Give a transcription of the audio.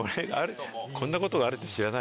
こんなことがあるって知らない。